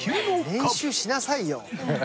練習しなさいよ